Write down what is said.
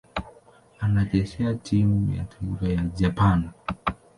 Anachezea timu ya taifa ya Japani.